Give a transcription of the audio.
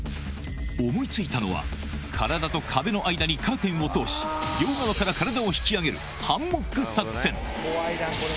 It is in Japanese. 思いついたのは、体と壁の間にカーテンを通し、両側から体を引き上げるハンモック作戦。